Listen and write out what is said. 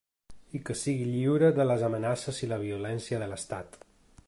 I que sigui lliure de les amenaces i la violència de l’estat.